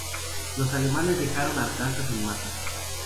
Los alemanes dejaron Arkansas en masa.